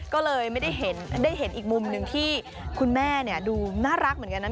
ก็เลยไม่ได้เห็นอีกมุมหนึ่งที่คุณแม่ดูน่ารักเหมือนกันนะ